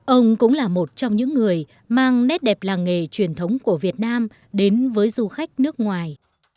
ông cũng là một trong những người mang nét đẹp làng nghề truyền thống của việt nam đến với du khách nước ngoài